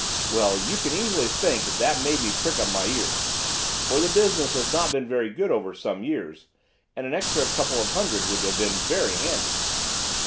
"Well, you can easily think that that made me prick up my ears, for the business has not been over good for some years, and an extra couple of hundred would have been very handy.